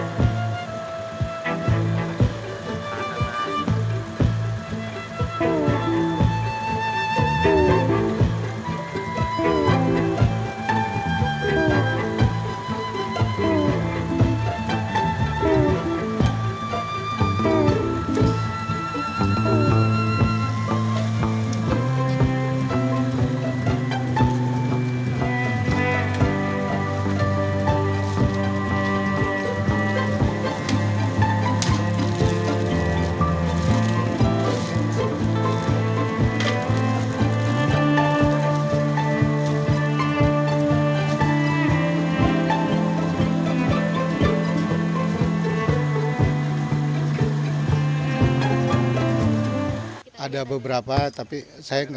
kisahit kihahit yang terjadi di indonesia